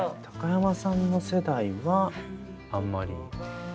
高山さんの世代はあんまり。